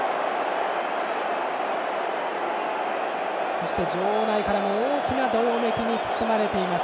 そして場内からも大きなどよめきに包まれています。